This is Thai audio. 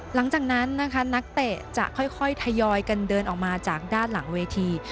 หลังจากนั้นนะคะนักเตะจะค่อยทยอยกันเดินออกมาจากด้านหลังเวที